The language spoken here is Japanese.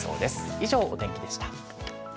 以上、お天気でした。